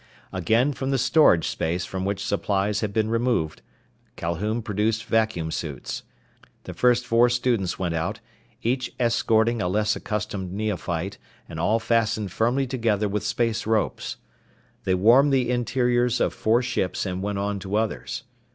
Again from the storage space from which supplies had been removed, Calhoun produced vacuum suits. The four first students went out, each escorting a less accustomed neophyte and all fastened firmly together with space ropes. They warmed the interiors of four ships and went on to others.